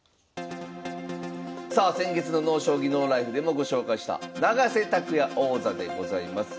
さあ先月の「ＮＯ将棋ＮＯＬＩＦＥ」でもご紹介した永瀬拓矢王座でございます。